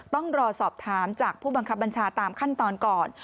ต้องรอสอบถามจากผู้บังคับบัญชาตามขั้นตอนก่อน